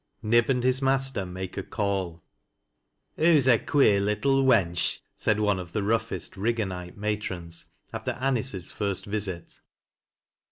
KIE ASH) HIS MASTEB MAKTi: A CALL. " Hoo's a queer little wench," said one of the rougheBt Iligganite matrons, after Aniee's first visit.